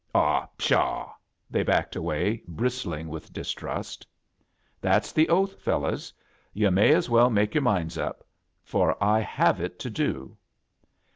" Ah, pshaw !" They backed away, bris tling with distrust. " That's the oath, feQows. Yu' may as well make yoia minds «p — for I hafoe it to do!"